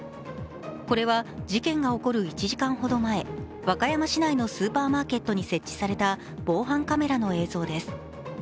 これは事件が起こる１時間ほど前、和歌山市内のスーパーマーケットに設置された防犯カメラの映像です。